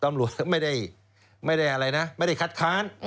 ตำรวจไม่ได้อะไรนะไม่ได้คัดค้าน